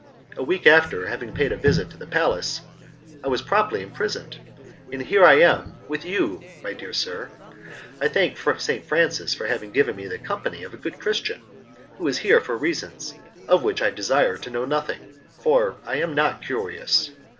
A week after, having paid a visit to the palace, I was promptly imprisoned, and here I am with you, my dear sir. I thank St. Francis for having given me the company of a good Christian, who is here for reasons of which I desire to know nothing, for I am not curious.